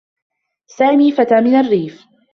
سامي فتى من الرّيف.